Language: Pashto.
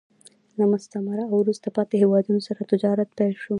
له مستعمره او وروسته پاتې هېوادونو سره تجارت پیل شو